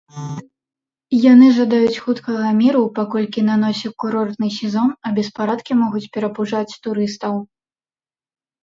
Яны жадаюць хуткага міру, паколькі на носе курортны сезон, а беспарадкі могуць перапужаць турыстаў.